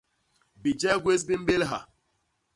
Bijek gwés bi mbélha.